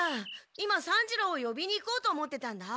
今三治郎をよびに行こうと思ってたんだ。